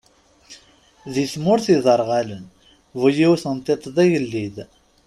Di tmurt iderɣalen, bu-yiwet n tiṭ d agellid.